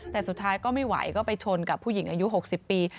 แต่สุดท้ายก็ไม่ไหวก็ไปชนกับผู้หญิงอายุ๖๐ปี